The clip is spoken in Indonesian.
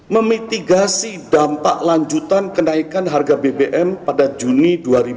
memitigasi dampak lanjutan kenaikan harga bbm pada juni dua ribu dua puluh